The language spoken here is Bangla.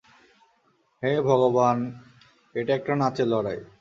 হে ভগবান, এটা একটা নাচের লড়াই।